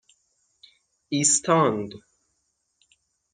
ایستاند